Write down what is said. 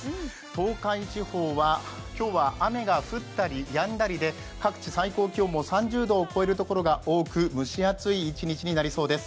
東海地方は今日は雨が降ったりやんだりで各地、最高気温も３０度を超えるところが多く、蒸し暑い一日になりそうです。